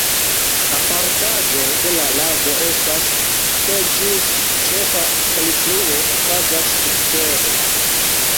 Apartaĵo de la lago estas, ke ĝis ĉefa elfluo okazas subtere.